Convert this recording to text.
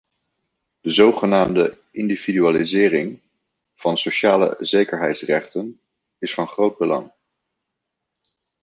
De zogenaamde individualisering van sociale zekerheidsrechten is van groot belang.